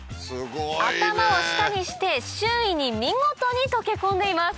頭を下にして周囲に見事に溶け込んでいます。